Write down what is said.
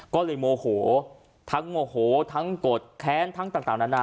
ก็เลยโมโหทั้งโมโหทั้งกดแค้นทั้งต่างนานา